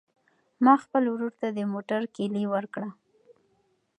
ما خپل ورور ته د موټر کیلي ورکړه.